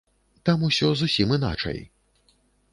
Там усё зусім іначай.